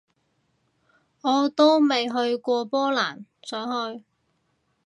我都未去過波蘭，想去